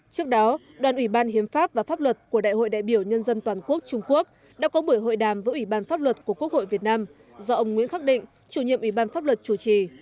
trước đó đoàn ủy ban hiến pháp và pháp luật của đại hội đại biểu nhân dân toàn quốc trung quốc đã có buổi hội đàm với ủy ban pháp luật của quốc hội việt nam do ông nguyễn khắc định chủ nhiệm ủy ban pháp luật chủ trì